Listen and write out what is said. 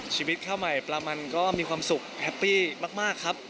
ชีวิตข้าวใหม่ปลามันก็มีความสุขแฮปปี้มากครับ